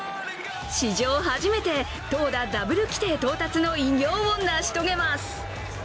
史上初めて投打ダブル規定到達の偉業を成し遂げます。